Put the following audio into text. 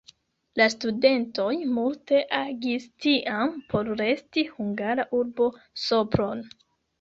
La studentoj multe agis tiam por resti hungara urbo Sopron.